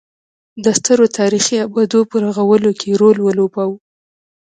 د سترو تاریخي ابدو په رغولو کې یې رول ولوباوه.